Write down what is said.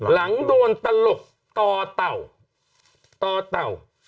หลังโดนตลกตเต่า